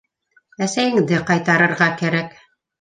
— Әсәйеңде ҡайтарырға кәрәк.